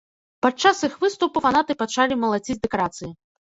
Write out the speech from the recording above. Падчас іх выступу фанаты пачалі малаціць дэкарацыі.